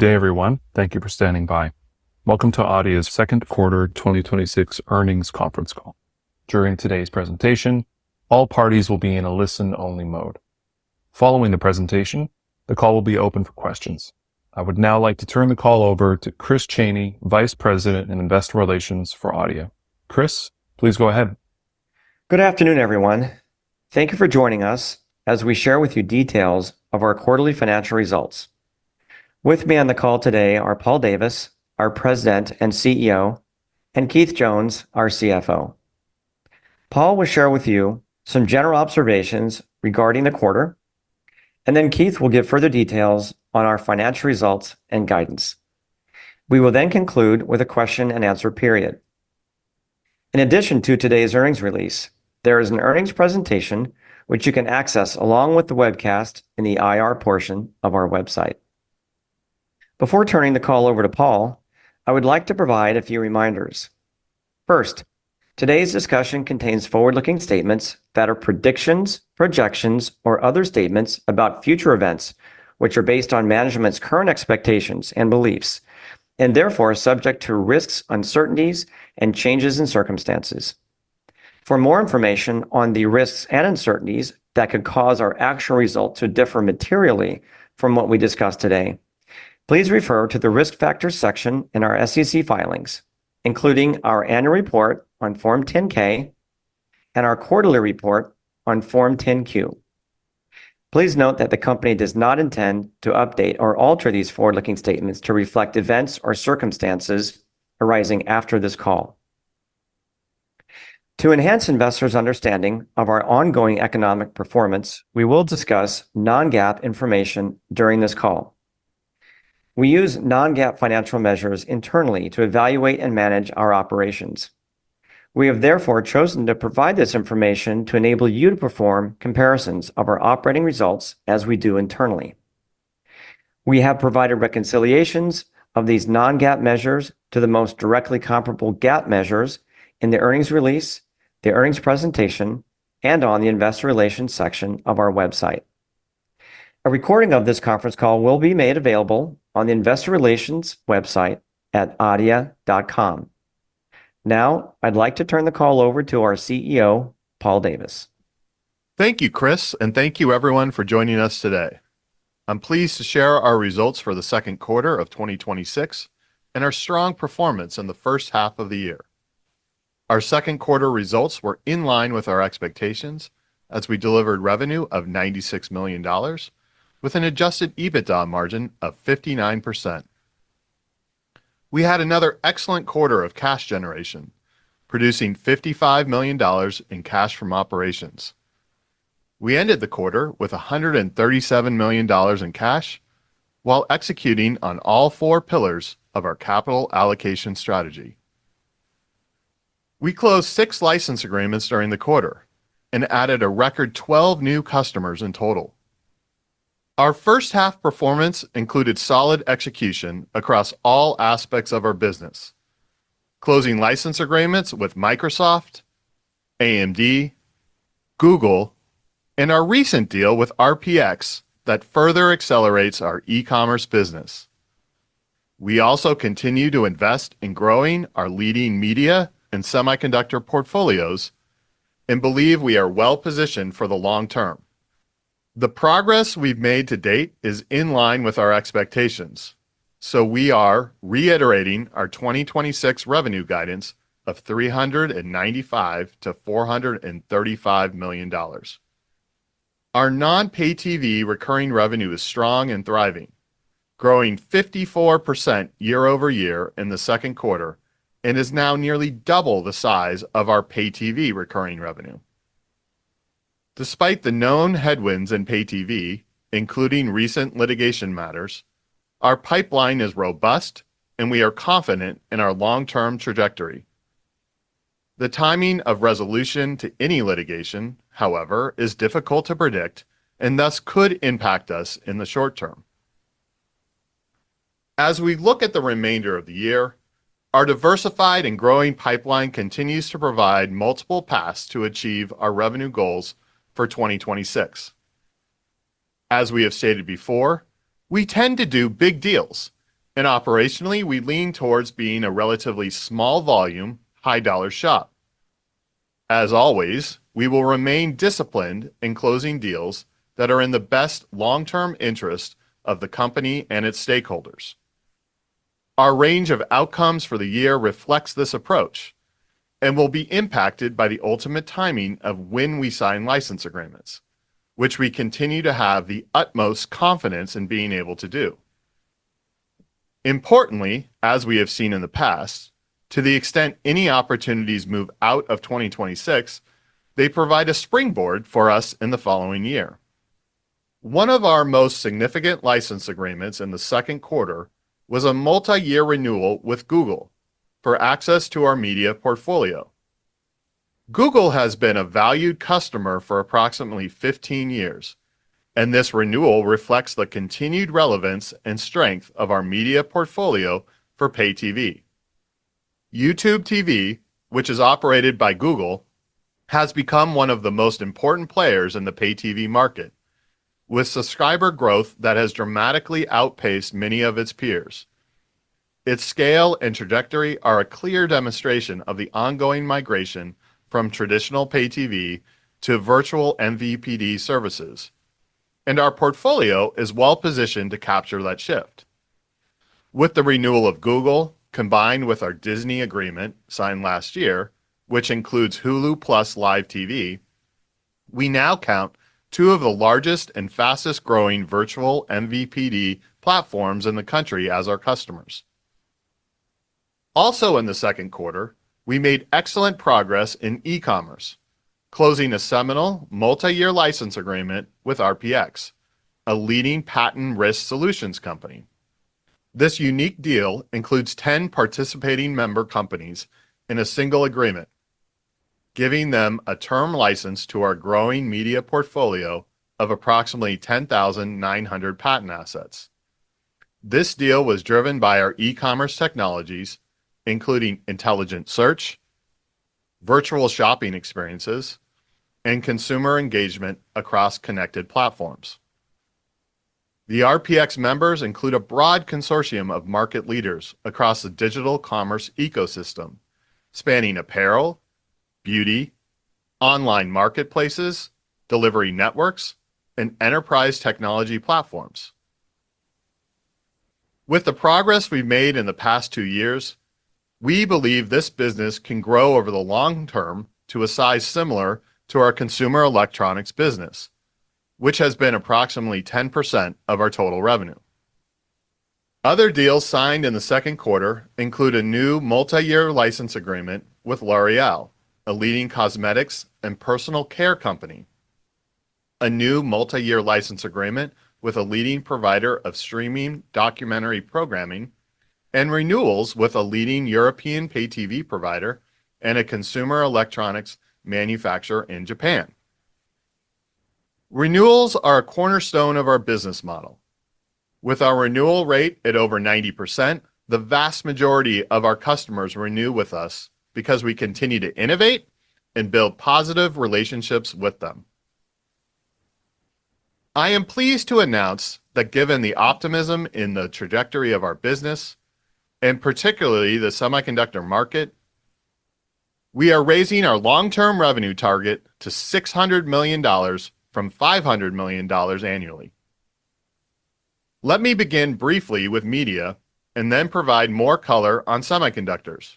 Good day, everyone. Thank you for standing by. Welcome to Adeia's second quarter 2026 earnings conference call. During today's presentation, all parties will be in a listen-only mode. Following the presentation, the call will be open for questions. I would now like to turn the call over to Chris Chaney, Vice President in Investor Relations for Adeia. Chris, please go ahead. Good afternoon, everyone. Thank you for joining us as we share with you details of our quarterly financial results. With me on the call today are Paul Davis, our President and CEO, and Keith Jones, our CFO. Paul will share with you some general observations regarding the quarter. Keith will give further details on our financial results and guidance. We will conclude with a question and answer period. In addition to today's earnings release, there is an earnings presentation which you can access along with the webcast in the IR portion of our website. Before turning the call over to Paul, I would like to provide a few reminders. First, today's discussion contains forward-looking statements that are predictions, projections, or other statements about future events, which are based on management's current expectations and beliefs, and are subject to risks, uncertainties, and changes in circumstances. For more information on the risks and uncertainties that could cause our actual result to differ materially from what we discuss today, please refer to the Risk Factors section in our SEC filings, including our annual report on Form 10-K and our quarterly report on Form 10-Q. Please note that the company does not intend to update or alter these forward-looking statements to reflect events or circumstances arising after this call. To enhance investors' understanding of our ongoing economic performance, we will discuss non-GAAP information during this call. We use non-GAAP financial measures internally to evaluate and manage our operations. We have chosen to provide this information to enable you to perform comparisons of our operating results as we do internally. We have provided reconciliations of these non-GAAP measures to the most directly comparable GAAP measures in the earnings release, the earnings presentation, and on the Investor Relations section of our website. A recording of this conference call will be made available on the Investor Relations website at adeia.com. I'd like to turn the call over to our CEO, Paul Davis. Thank you, Chris, and thank you everyone for joining us today. I'm pleased to share our results for the second quarter of 2026 and our strong performance in the first half of the year. Our second quarter results were in line with our expectations as we delivered revenue of $96 million with an adjusted EBITDA margin of 59%. We had another excellent quarter of cash generation, producing $55 million in cash from operations. We ended the quarter with $137 million in cash while executing on all four pillars of our capital allocation strategy. We closed six license agreements during the quarter and added a record 12 new customers in total. Our first half performance included solid execution across all aspects of our business, closing license agreements with Microsoft, AMD, Google, and our recent deal with RPX that further accelerates our e-commerce business. We also continue to invest in growing our leading media and semiconductor portfolios and believe we are well positioned for the long term. The progress we've made to date is in line with our expectations, we are reiterating our 2026 revenue guidance of $395 million-$435 million. Our non-pay TV recurring revenue is strong and thriving, growing 54% year-over-year in the second quarter, and is now nearly double the size of our pay TV recurring revenue. Despite the known headwinds in pay TV, including recent litigation matters, our pipeline is robust, and we are confident in our long-term trajectory. The timing of resolution to any litigation, however, is difficult to predict and thus could impact us in the short term. As we look at the remainder of the year, our diversified and growing pipeline continues to provide multiple paths to achieve our revenue goals for 2026. As we have stated before, we tend to do big deals, and operationally, we lean towards being a relatively small volume, high dollar shop. As always, we will remain disciplined in closing deals that are in the best long-term interest of the company and its stakeholders. Our range of outcomes for the year reflects this approach and will be impacted by the ultimate timing of when we sign license agreements, which we continue to have the utmost confidence in being able to do. Importantly, as we have seen in the past, to the extent any opportunities move out of 2026, they provide a springboard for us in the following year. One of our most significant license agreements in the second quarter was a multi-year renewal with Google for access to our media portfolio. Google has been a valued customer for approximately 15 years, and this renewal reflects the continued relevance and strength of our media portfolio for pay TV. YouTube TV, which is operated by Google, has become one of the most important players in the pay TV market, with subscriber growth that has dramatically outpaced many of its peers. Its scale and trajectory are a clear demonstration of the ongoing migration from traditional pay TV to virtual MVPD services, our portfolio is well-positioned to capture that shift. With the renewal of Google, combined with our Disney agreement signed last year, which includes Hulu + Live TV, we now count two of the largest and fastest-growing virtual MVPD platforms in the country as our customers. In the second quarter, we made excellent progress in e-commerce, closing a seminal multi-year license agreement with RPX, a leading patent risk solutions company. This unique deal includes 10 participating member companies in a single agreement, giving them a term license to our growing media portfolio of approximately 10,900 patent assets. This deal was driven by our e-commerce technologies, including intelligent search, virtual shopping experiences, and consumer engagement across connected platforms. The RPX members include a broad consortium of market leaders across the digital commerce ecosystem, spanning apparel, beauty, online marketplaces, delivery networks, and enterprise technology platforms. With the progress we've made in the past two years, we believe this business can grow over the long term to a size similar to our consumer electronics business, which has been approximately 10% of our total revenue. Other deals signed in the second quarter include a new multi-year license agreement with L'Oréal, a leading cosmetics and personal care company, a new multi-year license agreement with a leading provider of streaming documentary programming, and renewals with a leading European pay TV provider and a consumer electronics manufacturer in Japan. Renewals are a cornerstone of our business model. With our renewal rate at over 90%, the vast majority of our customers renew with us because we continue to innovate and build positive relationships with them. I am pleased to announce that given the optimism in the trajectory of our business, and particularly the semiconductor market, we are raising our long-term revenue target to $600 million from $500 million annually. Let me begin briefly with media and then provide more color on semiconductors.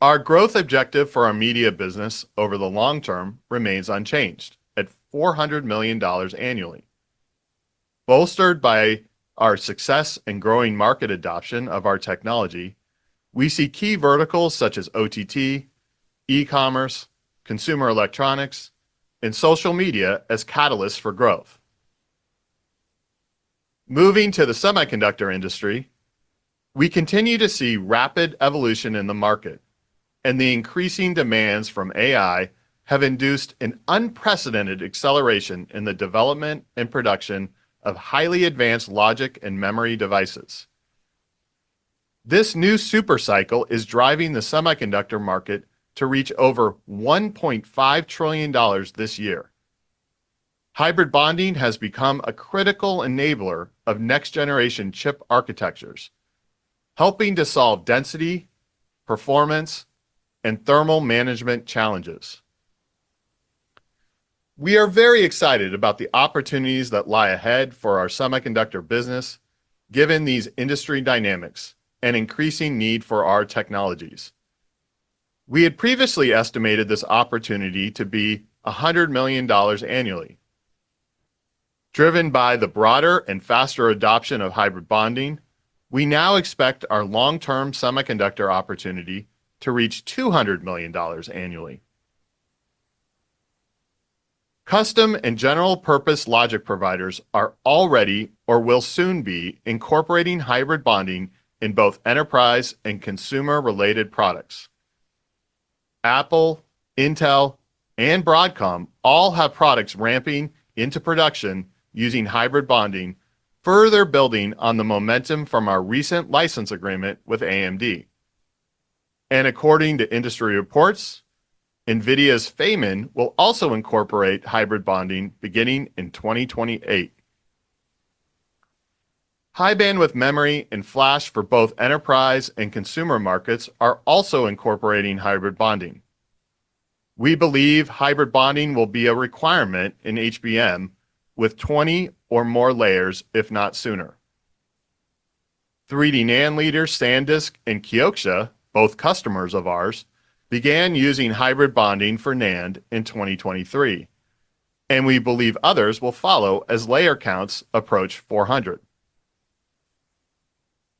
Our growth objective for our media business over the long term remains unchanged at $400 million annually. Bolstered by our success in growing market adoption of our technology, we see key verticals such as OTT, e-commerce, consumer electronics, and social media as catalysts for growth. The increasing demands from AI have induced an unprecedented acceleration in the development and production of highly advanced logic and memory devices. This new super cycle is driving the semiconductor market to reach over $1.5 trillion this year. Hybrid bonding has become a critical enabler of next-generation chip architectures, helping to solve density, performance, and thermal management challenges. We are very excited about the opportunities that lie ahead for our semiconductor business, given these industry dynamics and increasing need for our technologies. We had previously estimated this opportunity to be $100 million annually. Driven by the broader and faster adoption of hybrid bonding, we now expect our long-term semiconductor opportunity to reach $200 million annually. Custom and general purpose logic providers are already or will soon be incorporating hybrid bonding in both enterprise and consumer-related products. Apple, Intel, and Broadcom all have products ramping into production using hybrid bonding, further building on the momentum from our recent license agreement with AMD. According to industry reports, NVIDIA's Feynman will also incorporate hybrid bonding beginning in 2028. High-bandwidth memory and flash for both enterprise and consumer markets are also incorporating hybrid bonding. We believe hybrid bonding will be a requirement in HBM with 20 or more layers, if not sooner. 3D NAND leaders SanDisk and Kioxia, both customers of ours, began using hybrid bonding for NAND in 2023, and we believe others will follow as layer counts approach 400.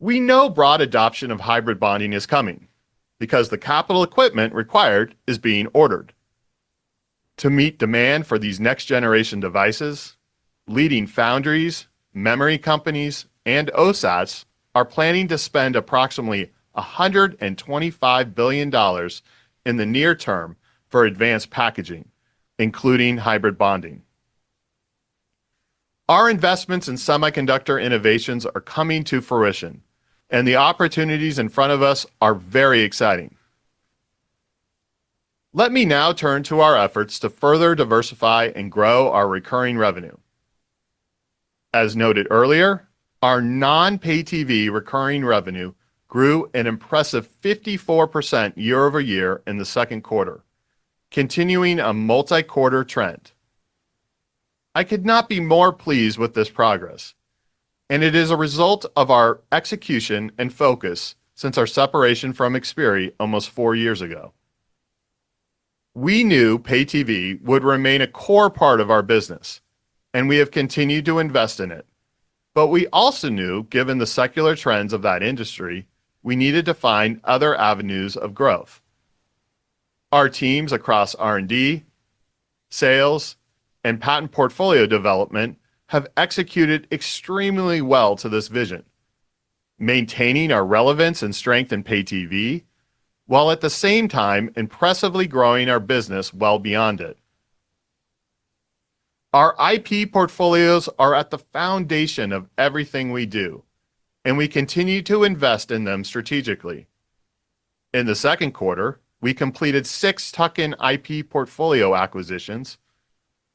We know broad adoption of hybrid bonding is coming because the capital equipment required is being ordered. To meet demand for these next-generation devices, leading foundries, memory companies, and OSATs are planning to spend approximately $125 billion in the near term for advanced packaging, including hybrid bonding. Our investments in semiconductor innovations are coming to fruition, and the opportunities in front of us are very exciting. Let me now turn to our efforts to further diversify and grow our recurring revenue. As noted earlier, our non-pay TV recurring revenue grew an impressive 54% year-over-year in the second quarter, continuing a multi-quarter trend. I could not be more pleased with this progress, and it is a result of our execution and focus since our separation from Xperi almost four years ago. We knew pay TV would remain a core part of our business, we have continued to invest in it. We also knew, given the secular trends of that industry, we needed to find other avenues of growth. Our teams across R&D, sales, and patent portfolio development have executed extremely well to this vision, maintaining our relevance and strength in pay TV, while at the same time impressively growing our business well beyond it. Our IP portfolios are at the foundation of everything we do, and we continue to invest in them strategically. In the second quarter, we completed six tuck-in IP portfolio acquisitions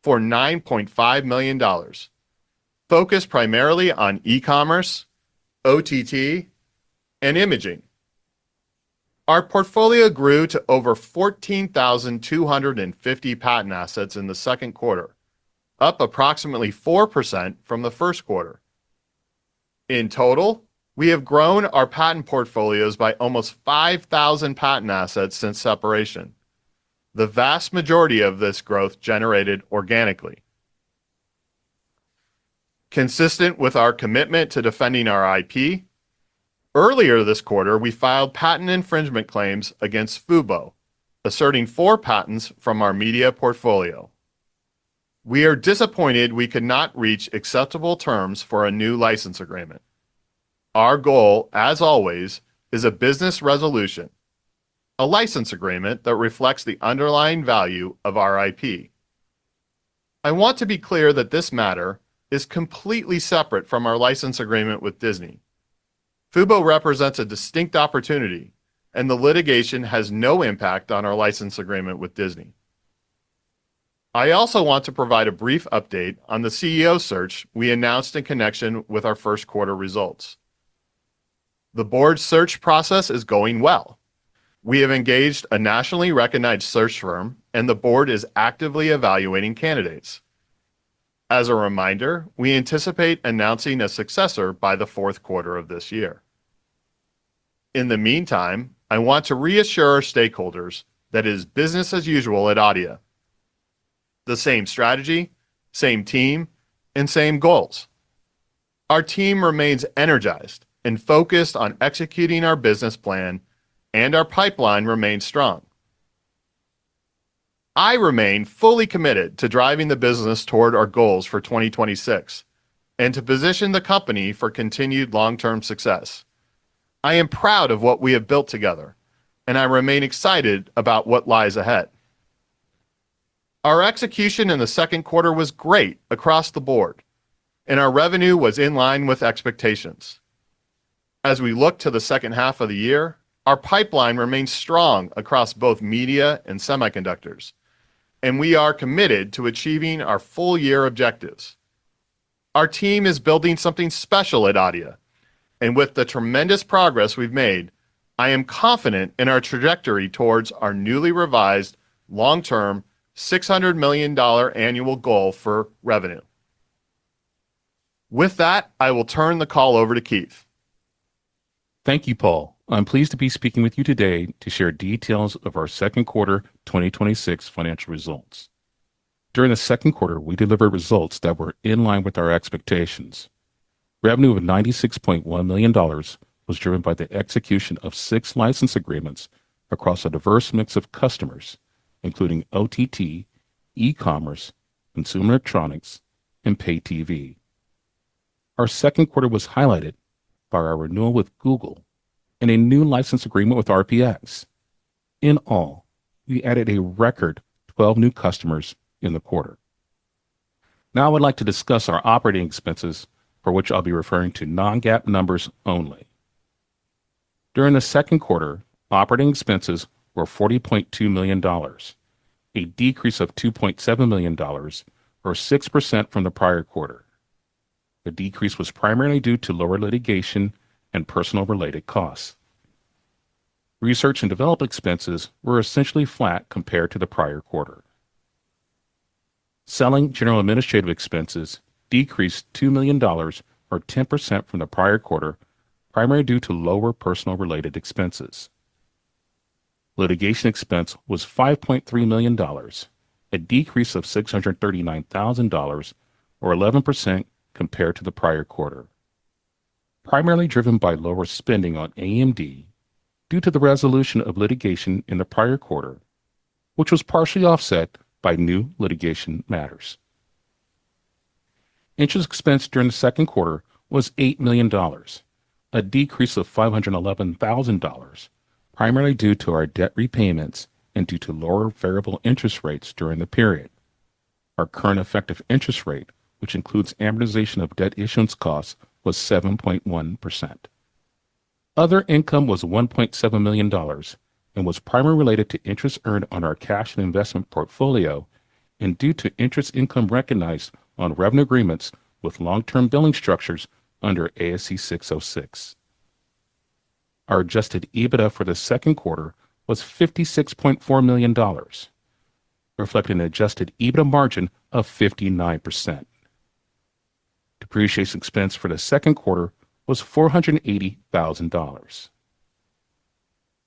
for $9.5 million, focused primarily on e-commerce, OTT, and imaging. Our portfolio grew to over 14,250 patent assets in the second quarter, up approximately 4% from the first quarter. In total, we have grown our patent portfolios by almost 5,000 patent assets since separation. The vast majority of this growth generated organically. Consistent with our commitment to defending our IP, earlier this quarter, we filed patent infringement claims against Fubo, asserting four patents from our media portfolio. We are disappointed we could not reach acceptable terms for a new license agreement. Our goal, as always, is a business resolution, a license agreement that reflects the underlying value of our IP. I want to be clear that this matter is completely separate from our license agreement with Disney. Fubo represents a distinct opportunity, and the litigation has no impact on our license agreement with Disney. I also want to provide a brief update on the CEO search we announced in connection with our first quarter results. The board's search process is going well. We have engaged a nationally recognized search firm, the board is actively evaluating candidates. As a reminder, we anticipate announcing a successor by the fourth quarter of this year. In the meantime, I want to reassure our stakeholders that it is business as usual at Adeia. The same strategy, same team, and same goals. Our team remains energized and focused on executing our business plan, our pipeline remains strong. I remain fully committed to driving the business toward our goals for 2026 and to position the company for continued long-term success. I am proud of what we have built together, I remain excited about what lies ahead. Our execution in the second quarter was great across the board, our revenue was in line with expectations. As we look to the second half of the year, our pipeline remains strong across both media and semiconductors, we are committed to achieving our full-year objectives. Our team is building something special at Adeia. With the tremendous progress we've made, I am confident in our trajectory towards our newly revised long-term $600 million annual goal for revenue. With that, I will turn the call over to Keith. Thank you, Paul. I am pleased to be speaking with you today to share details of our second quarter 2026 financial results. During the second quarter, we delivered results that were in line with our expectations. Revenue of $96.1 million was driven by the execution of six license agreements across a diverse mix of customers, including OTT, e-commerce, consumer electronics, and pay TV. Our second quarter was highlighted by our renewal with Google and a new license agreement with RPX. In all, we added a record 12 new customers in the quarter. Now I would like to discuss our operating expenses, for which I will be referring to non-GAAP numbers only. During the second quarter, operating expenses were $40.2 million, a decrease of $2.7 million or 6% from the prior quarter. The decrease was primarily due to lower litigation and personal-related costs. Research and development expenses were essentially flat compared to the prior quarter. Selling, General, Administrative expenses decreased $2 million or 10% from the prior quarter, primarily due to lower personal-related expenses. Litigation expense was $5.3 million, a decrease of $639,000 or 11% compared to the prior quarter, primarily driven by lower spending on AMD due to the resolution of litigation in the prior quarter, which was partially offset by new litigation matters. Interest expense during the second quarter was $8 million, a decrease of $511,000, primarily due to our debt repayments and due to lower variable interest rates during the period. Our current effective interest rate, which includes amortization of debt issuance costs, was 7.1%. Other income was $1.7 million and was primarily related to interest earned on our cash and investment portfolio and due to interest income recognized on revenue agreements with long-term billing structures under ASC 606. Our adjusted EBITDA for the second quarter was $56.4 million, reflecting an adjusted EBITDA margin of 59%. Depreciation expense for the second quarter was $480,000.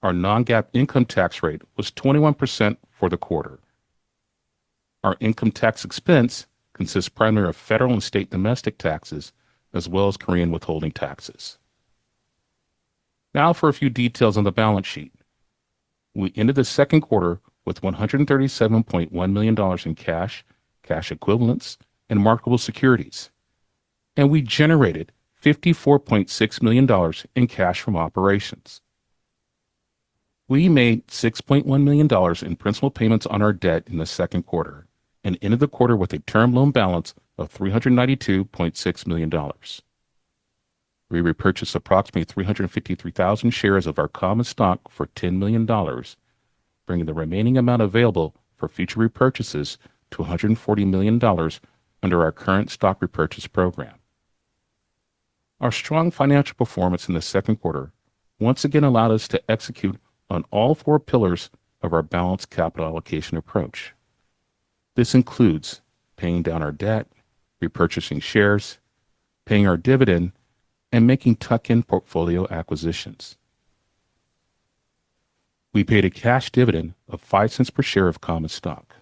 Our non-GAAP income tax rate was 21% for the quarter. Our income tax expense consists primarily of federal and state domestic taxes, as well as Korean withholding taxes. Now for a few details on the balance sheet. We ended the second quarter with $137.1 million in cash equivalents, and marketable securities, and we generated $54.6 million in cash from operations. We made $6.1 million in principal payments on our debt in the second quarter and ended the quarter with a term loan balance of $392.6 million. We repurchased approximately 353,000 shares of our common stock for $10 million, bringing the remaining amount available for future repurchases to $140 million under our current stock repurchase program. Our strong financial performance in the second quarter once again allowed us to execute on all four pillars of our balanced capital allocation approach. This includes paying down our debt, repurchasing shares, paying our dividend, and making tuck-in portfolio acquisitions. We paid a cash dividend of $0.05 per share of common stock.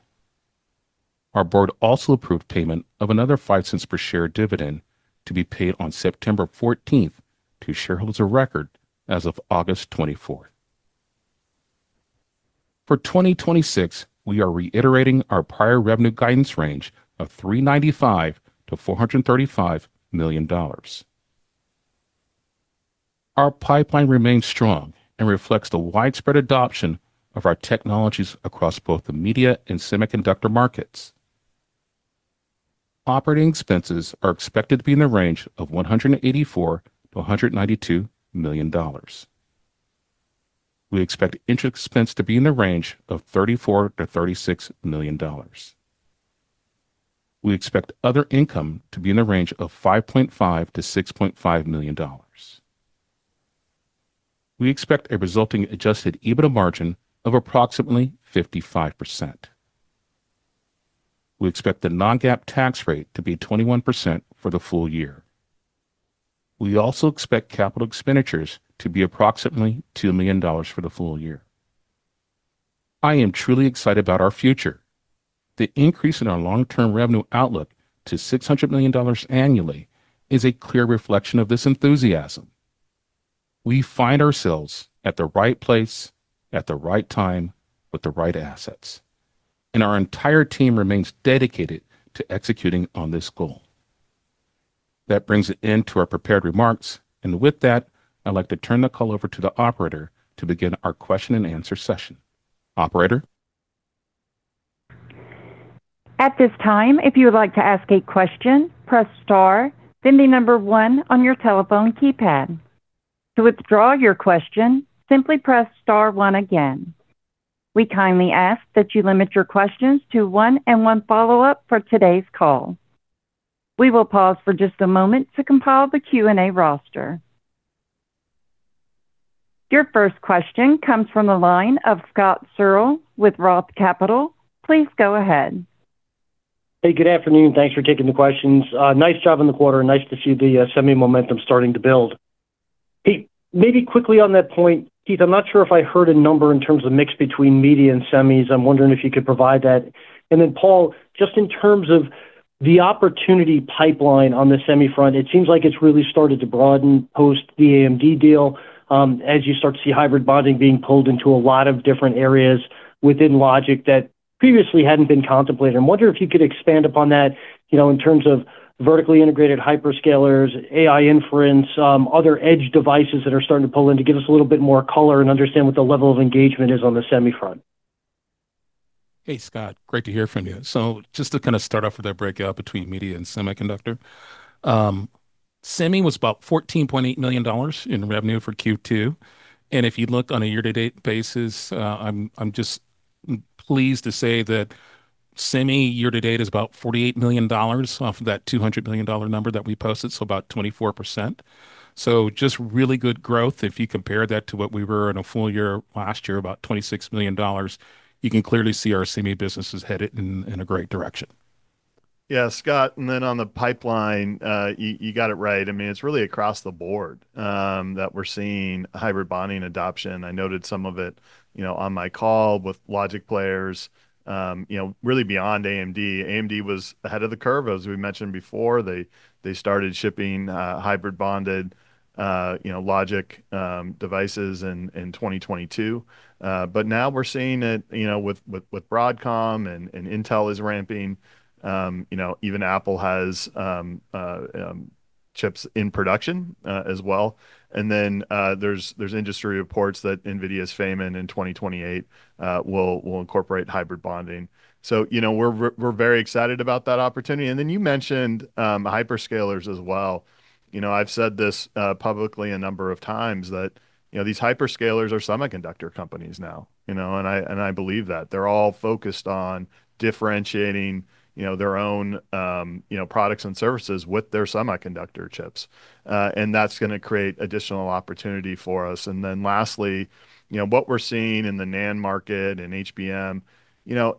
Our board also approved payment of another $0.05 per share dividend to be paid on September 14th to shareholders of record as of August 24th. For 2026, we are reiterating our prior revenue guidance range of $395 million-$435 million. Our pipeline remains strong and reflects the widespread adoption of our technologies across both the media and semiconductor markets. Operating expenses are expected to be in the range of $184 million-$192 million. We expect interest expense to be in the range of $34 million-$36 million. We expect other income to be in the range of $5.5 million-$6.5 million. We expect a resulting adjusted EBITDA margin of approximately 55%. We expect the non-GAAP tax rate to be 21% for the full-year. We also expect capital expenditures to be approximately $2 million for the full-year. I am truly excited about our future. The increase in our long-term revenue outlook to $600 million annually is a clear reflection of this enthusiasm. We find ourselves at the right place at the right time with the right assets. Our entire team remains dedicated to executing on this goal. That brings an end to our prepared remarks. With that, I'd like to turn the call over to the operator to begin our question and answer session. Operator? At this time, if you would like to ask a question, press star, then number one on your telephone keypad. To withdraw your question, simply press star one again. We kindly ask that you limit your questions to one and one follow-up for today's call. We will pause for just a moment to compile the Q and A roster. Your first question comes from the line of Scott Searle with Roth Capital. Please go ahead. Hey, good afternoon. Thanks for taking the questions. Nice job on the quarter, nice to see the semi momentum starting to build. Hey, maybe quickly on that point, Keith, I'm not sure if I heard a number in terms of mix between media and semis. I'm wondering if you could provide that. Paul, just in terms of the opportunity pipeline on the semi front, it seems like it's really started to broaden post the AMD deal, as you start to see hybrid bonding being pulled into a lot of different areas within Logic that previously hadn't been contemplated. I'm wondering if you could expand upon that in terms of vertically integrated hyperscalers, AI inference, other edge devices that are starting to pull in, to give us a little bit more color and understand what the level of engagement is on the semi front. Hey, Scott. Great to hear from you. Just to kind of start off with that breakout between media and semiconductor. Semi was about $14.8 million in revenue for Q2, if you look on a year-to-date basis, I'm just pleased to say that semi year-to-date is about $48 million off of that $200 million number that we posted, about 24%. Just really good growth. If you compare that to what we were in a full-year last year, about $26 million, you can clearly see our semi business is headed in a great direction. Yeah, Scott, on the pipeline, you got it right. It's really across the board that we're seeing hybrid bonding adoption. I noted some of it on my call with logic players really beyond AMD. AMD was ahead of the curve, as we mentioned before. They started shipping hybrid bonded logic devices in 2022. Now we're seeing it with Broadcom, Intel is ramping. Even Apple has chips in production, as well. There's industry reports that NVIDIA's Feynman in 2028 will incorporate hybrid bonding. We're very excited about that opportunity. You mentioned hyperscalers as well. I've said this publicly a number of times that these hyperscalers are semiconductor companies now. I believe that. They're all focused on differentiating their own products and services with their semiconductor chips. That's going to create additional opportunity for us. Lastly, what we're seeing in the NAND market and HBM,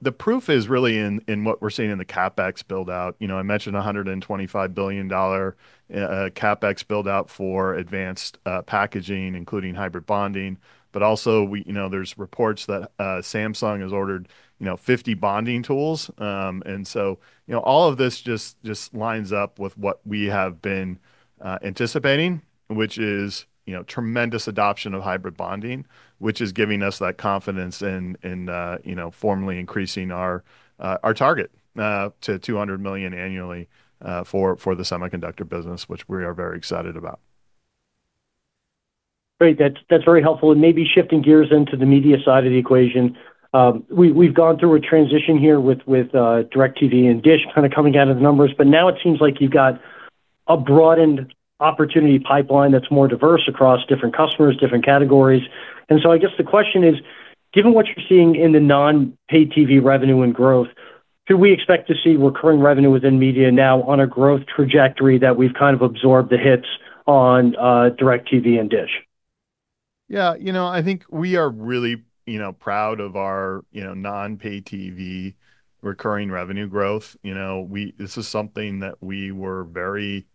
the proof is really in what we're seeing in the CapEx build-out. I mentioned $125 billion CapEx build-out for advanced packaging, including hybrid bonding. Also, there's reports that Samsung has ordered 50 bonding tools. All of this just lines up with what we have been anticipating, which is tremendous adoption of hybrid bonding, which is giving us that confidence in formally increasing our target to $200 million annually for the semiconductor business, which we are very excited about. Great. That's very helpful. Maybe shifting gears into the media side of the equation. We've gone through a transition here with DirecTV and DISH kind of coming out of the numbers, now it seems like you've got a broadened opportunity pipeline that's more diverse across different customers, different categories. I guess the question is, given what you're seeing in the non-pay TV revenue and growth, should we expect to see recurring revenue within media now on a growth trajectory that we've kind of absorbed the hits on DirecTV and DISH? Yeah. I think we are really proud of our non-pay TV recurring revenue growth. This is something that we were very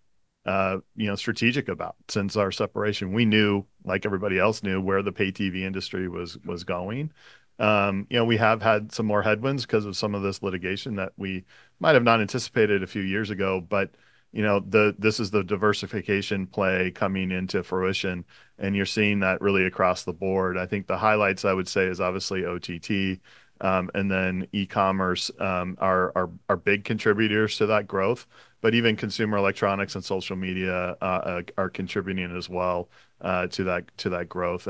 strategic about since our separation. We knew, like everybody else knew, where the pay TV industry was going. We have had some more headwinds because of some of this litigation that we might have not anticipated a few years ago, but this is the diversification play coming into fruition, and you're seeing that really across the board. I think the highlights, I would say, is obviously OTT, and then e-commerce are big contributors to that growth. Even consumer electronics and social media are contributing as well to that growth.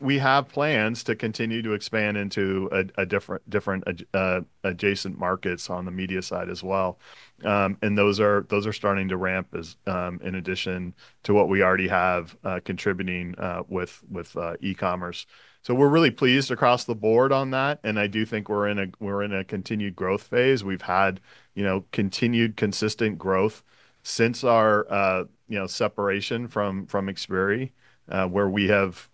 We have plans to continue to expand into different adjacent markets on the media side as well. Those are starting to ramp in addition to what we already have contributing with e-commerce. We're really pleased across the board on that, and I do think we're in a continued growth phase. We've had continued consistent growth since our separation from Xperi, where we have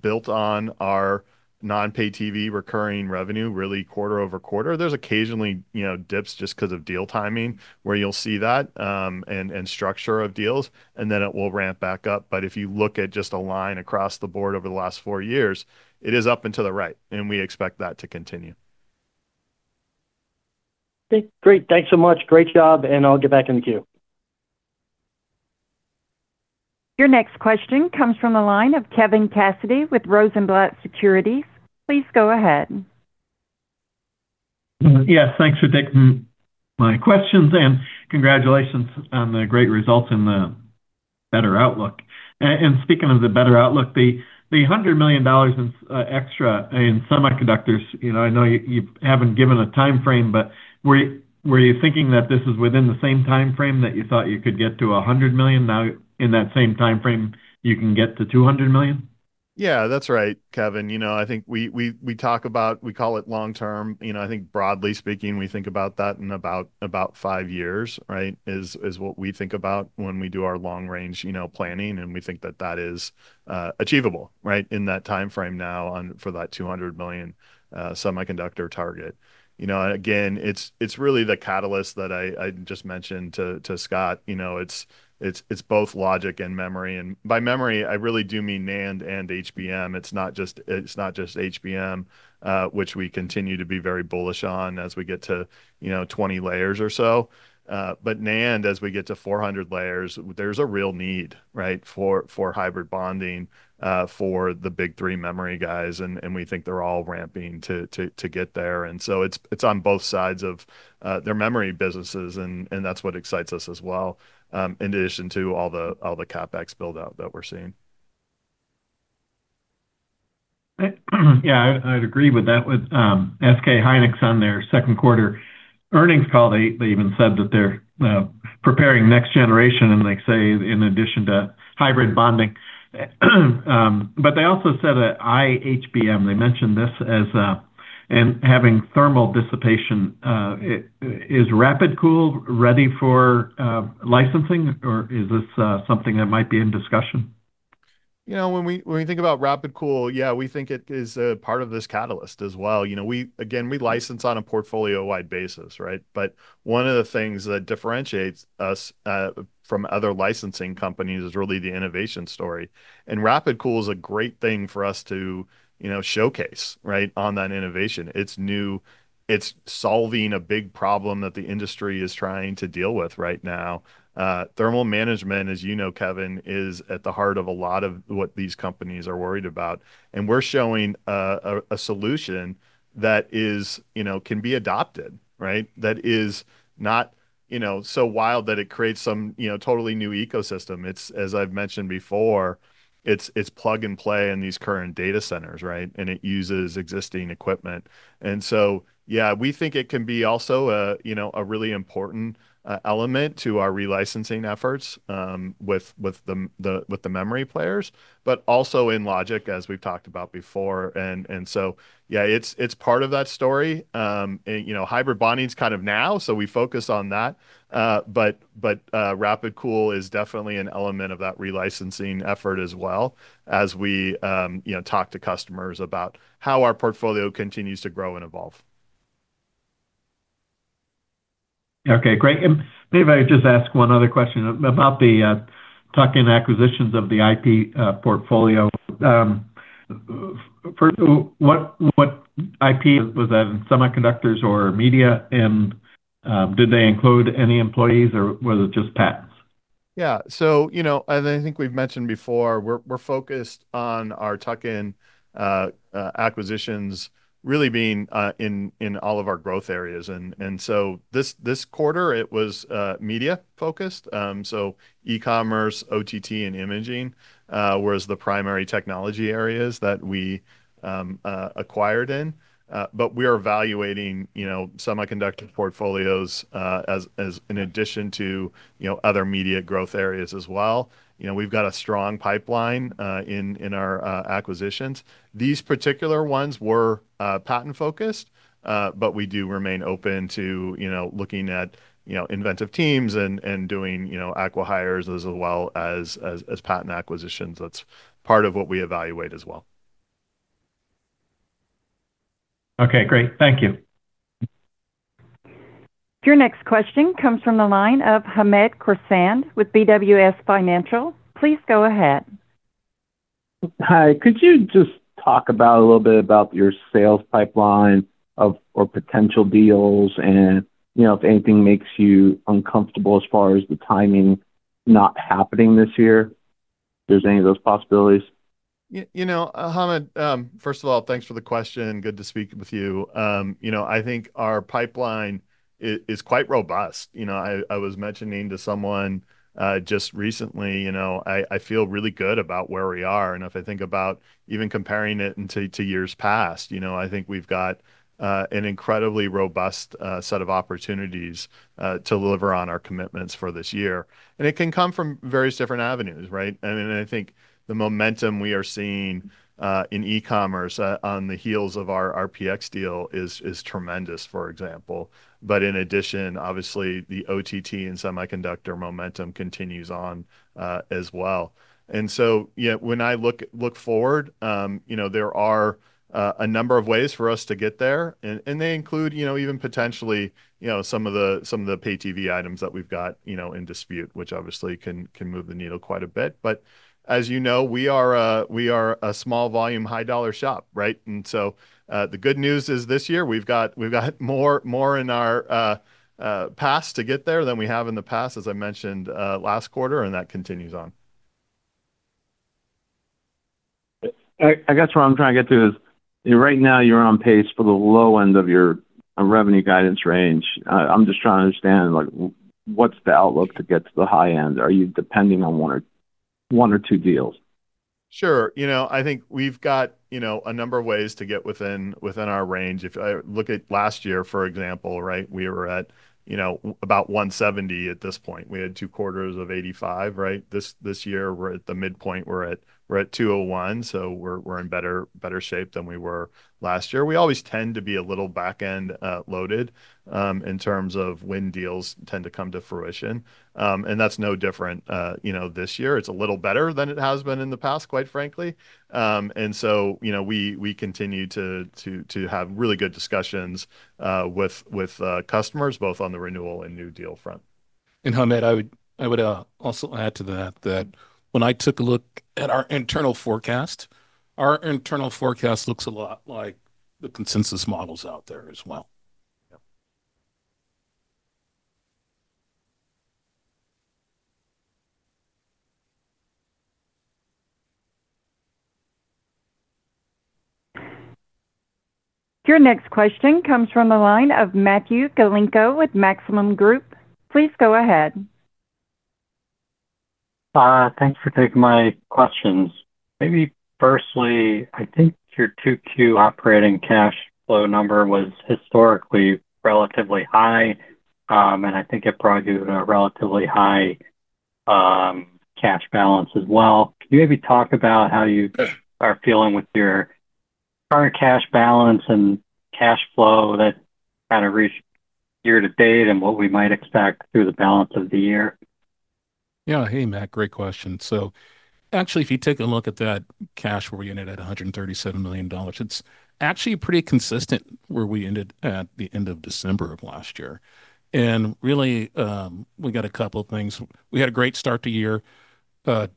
built on our non-pay TV recurring revenue really quarter-over-quarter. There's occasionally dips just because of deal timing where you'll see that, and structure of deals, and then it will ramp back up. If you look at just a line across the board over the last four years, it is up and to the right, and we expect that to continue. Okay, great. Thanks so much. Great job, and I'll get back in the queue. Your next question comes from the line of Kevin Cassidy with Rosenblatt Securities. Please go ahead. Thanks for taking my questions, and congratulations on the great results and the better outlook. Speaking of the better outlook, the $100 million in extra in semiconductors, I know you haven't given a timeframe, but were you thinking that this is within the same timeframe that you thought you could get to $100 million, now in that same timeframe, you can get to $200 million? That's right, Kevin. I think we talk about, we call it long-term. I think broadly speaking, we think about that in about five years, right? Is what we think about when we do our long range planning. We think that that is achievable, right, in that timeframe now for that $200 million semiconductor target. Again, it's really the catalyst that I just mentioned to Scott. It's both logic and memory. By memory, I really do mean NAND and HBM. It's not just HBM, which we continue to be very bullish on as we get to 20 layers or so. NAND, as we get to 400 layers, there's a real need, right, for hybrid bonding for the big three memory guys, and we think they're all ramping to get there. It's on both sides of their memory businesses, and that's what excites us as well, in addition to all the CapEx build-out that we're seeing. I'd agree with that. With SK hynix on their second quarter earnings call, they even said that they're preparing next generation, and they say in addition to hybrid bonding. They also said that iHBM, they mentioned this as having thermal dissipation. Is RapidCool ready for licensing, or is this something that might be in discussion? When we think about RapidCool, yeah, we think it is a part of this catalyst as well. Again, we license on a portfolio-wide basis, right? One of the things that differentiates us from other licensing companies is really the innovation story. RapidCool is a great thing for us to showcase, right, on that innovation. It's new. It's solving a big problem that the industry is trying to deal with right now. Thermal management, as you know, Kevin, is at the heart of a lot of what these companies are worried about, and we're showing a solution that can be adopted, right? That is not so wild that it creates some totally new ecosystem. As I've mentioned before, it's plug and play in these current data centers, right? It uses existing equipment. Yeah, we think it can be also a really important element to our re-licensing efforts with the memory players, but also in logic, as we've talked about before. Yeah, it's part of that story. hybrid bonding's kind of now, so we focus on that. RapidCool is definitely an element of that re-licensing effort as well as we talk to customers about how our portfolio continues to grow and evolve. Okay, great. Maybe if I could just ask one other question about the tuck-in acquisitions of the IP portfolio. First, what IP was that, in semiconductors or media, and did they include any employees, or was it just patents? Yeah. As I think we've mentioned before, we're focused on our tuck-in acquisitions really being in all of our growth areas. This quarter, it was media focused, so e-commerce, OTT, and imaging were the primary technology areas that we acquired in. We are evaluating semiconductor portfolios as an addition to other media growth areas as well. We've got a strong pipeline in our acquisitions. These particular ones were patent focused, but we do remain open to looking at inventive teams and doing acqui-hires as well as patent acquisitions. That's part of what we evaluate as well. Okay, great. Thank you. Your next question comes from the line of Hamed Khorsand with BWS Financial. Please go ahead. Hi. Could you just talk a little bit about your sales pipeline or potential deals and if anything makes you uncomfortable as far as the timing not happening this year, if there's any of those possibilities? Hamed, first of all, thanks for the question. Good to speak with you. I think our pipeline is quite robust. I was mentioning to someone just recently, I feel really good about where we are. If I think about even comparing it to years past, I think we've got an incredibly robust set of opportunities to deliver on our commitments for this year. It can come from various different avenues, right? Then I think the momentum we are seeing in e-commerce on the heels of our RPX deal is tremendous, for example. In addition, obviously, the OTT and semiconductor momentum continues on as well. When I look forward, there are a number of ways for us to get there, and they include even potentially some of the pay TV items that we've got in dispute, which obviously can move the needle quite a bit. As you know, we are a small volume, high-dollar shop, right? The good news is this year, we've got more in our path to get there than we have in the past, as I mentioned last quarter, that continues on. I guess what I'm trying to get to is right now you're on pace for the low end of your revenue guidance range. I'm just trying to understand, what's the outlook to get to the high end? Are you depending on one or two deals? Sure. I think we've got a number of ways to get within our range. If I look at last year, for example, right, we were at about $170 million at this point. We had two quarters of $85 million, right? This year, we're at the midpoint, we're at $201 million, we're in better shape than we were last year. We always tend to be a little back-end loaded in terms of when deals tend to come to fruition. That's no different this year. It's a little better than it has been in the past, quite frankly. We continue to have really good discussions with customers, both on the renewal and new deal front. Hamed, I would also add to that when I took a look at our internal forecast, our internal forecast looks a lot like the consensus models out there as well. Your next question comes from the line of Matthew Galinko with Maxim Group. Please go ahead. Thanks for taking my questions. Maybe firstly, I think your Q2 operating cash flow number was historically relatively high, and I think it brought you to a relatively high cash balance as well. Can you maybe talk about how you are feeling with your current cash balance and cash flow that kind of reached year-to-date and what we might expect through the balance of the year? Hey, Matt. Great question. Actually, if you take a look at that cash where we ended at $137 million, it's actually pretty consistent where we ended at the end of December of last year. Really, we got a couple of things. We had a great start to year.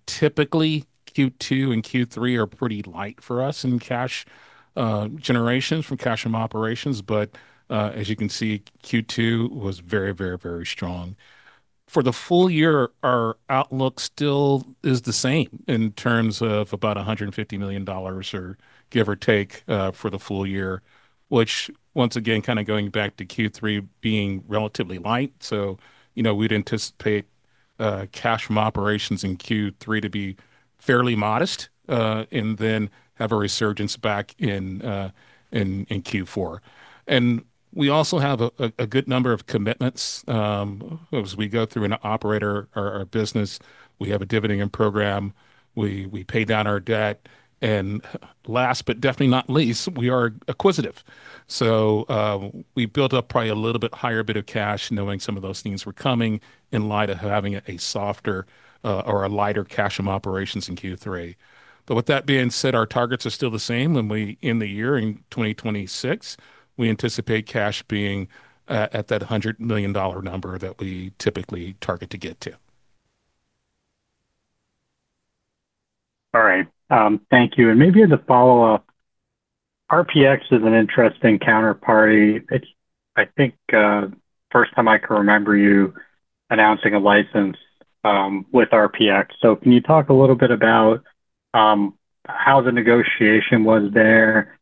Typically, Q2 and Q3 are pretty light for us in cash generations from cash from operations. As you can see, Q2 was very strong. For the full-year, our outlook still is the same in terms of about $150 million, or give or take, for the full-year, which once again, going back to Q3 being relatively light. We'd anticipate cash from operations in Q3 to be fairly modest, and then have a resurgence back in Q4. We also have a good number of commitments. As we go through an operator or our business, we have a dividend program. We pay down our debt, and last but definitely not least, we are acquisitive. We built up probably a little bit higher bit of cash knowing some of those things were coming in light of having a softer or a lighter cash from operations in Q3. With that being said, our targets are still the same when we end the year in 2026. We anticipate cash being at that $100 million number that we typically target to get to. Maybe as a follow-up, RPX is an interesting counterparty. It's, I think, first time I can remember you announcing a license with RPX. Can you talk a little bit about how the negotiation was there?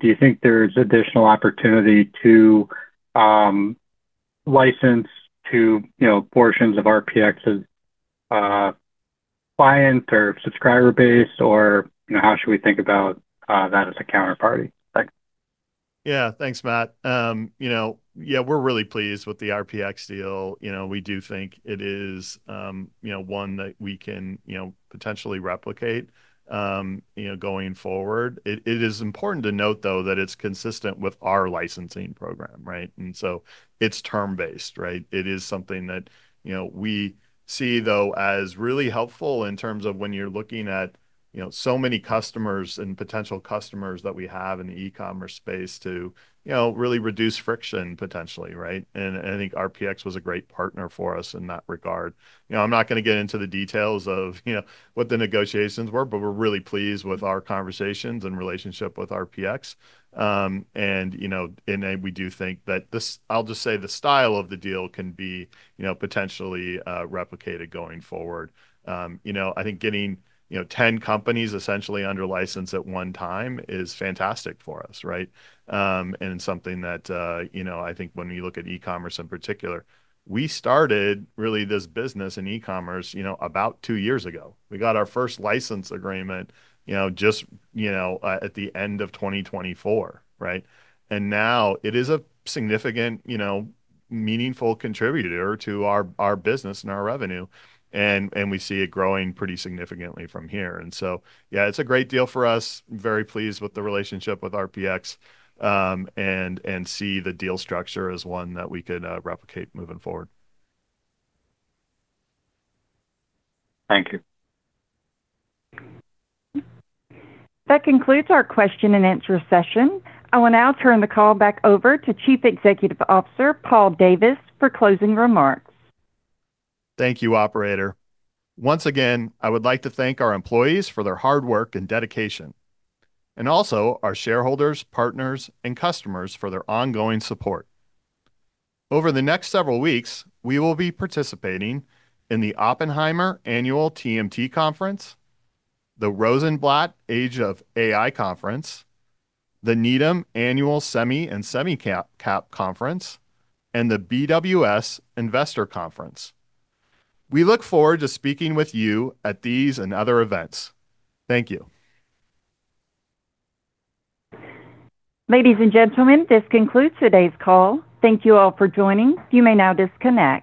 Do you think there's additional opportunity to license to portions of RPX's client or subscriber base, or how should we think about that as a counterparty? Thanks. Thanks, Matt. We're really pleased with the RPX deal. We do think it is one that we can potentially replicate going forward. It is important to note, though, that it's consistent with our licensing program, right? It's term-based, right? It is something that we see, though, as really helpful in terms of when you're looking at so many customers and potential customers that we have in the e-commerce space to really reduce friction potentially, right? I think RPX was a great partner for us in that regard. I'm not going to get into the details of what the negotiations were, but we're really pleased with our conversations and relationship with RPX. We do think that this, I'll just say, the style of the deal can be potentially replicated going forward. I think getting 10 companies essentially under license at one time is fantastic for us, right? Something that I think when we look at e-commerce in particular, we started really this business in e-commerce about two years ago. We got our first license agreement just at the end of 2024, right? Now it is a significant, meaningful contributor to our business and our revenue, and we see it growing pretty significantly from here. It's a great deal for us. Very pleased with the relationship with RPX, and see the deal structure as one that we could replicate moving forward. Thank you. That concludes our question and answer session. I will now turn the call back over to Chief Executive Officer, Paul Davis, for closing remarks. Thank you, operator. Once again, I would like to thank our employees for their hard work and dedication, and also our shareholders, partners, and customers for their ongoing support. Over the next several weeks, we will be participating in the Oppenheimer Annual TMT Conference, the Rosenblatt Age of AI Conference, the Needham Annual Semi & SemiCap Conference, and the BWS Investor Conference. We look forward to speaking with you at these and other events. Thank you. Ladies and gentlemen, this concludes today's call. Thank you all for joining. You may now disconnect.